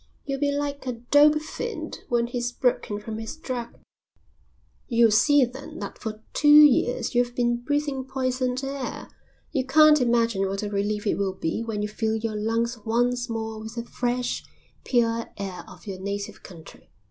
You'll be like a dope fiend when he's broken from his drug. You'll see then that for two years you've been breathing poisoned air. You can't imagine what a relief it will be when you fill your lungs once more with the fresh, pure air of your native country."